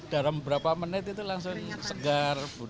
dalam beberapa menit itu langsung segar